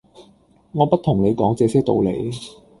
「我不同你講這些道理；